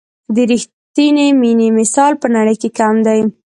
د رښتیني مینې مثال په نړۍ کې کم دی.